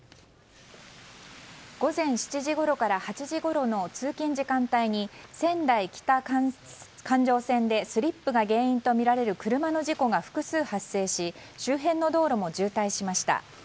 午前７時ごろから８時ごろの通勤時間帯に仙台北環状線でスリップが原因とみられる車の事故が複数発生し周辺の道路も渋滞しました。